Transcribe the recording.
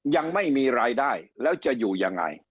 ยังไม่มีรายได้แล้วจะอยู่ยังไง